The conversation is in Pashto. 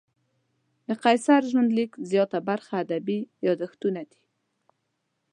د قیصر ژوندلیک زیاته برخه ادبي یادښتونه دي.